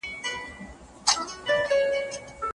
مسواک وهل د انسان زړه ته صفا ورکوي.